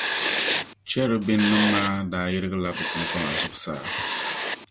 Chɛrubinim’ maa daa yirigila bɛ kpiŋkpama zuɣusaa.